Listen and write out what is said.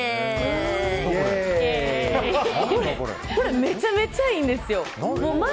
これ、めちゃめちゃいいんですよ。